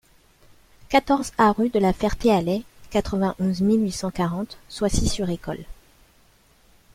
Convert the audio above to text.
quatorze A rue de la Ferté-Alais, quatre-vingt-onze mille huit cent quarante Soisy-sur-École